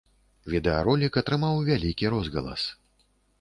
Відэаролік атрымаў вялікі розгалас.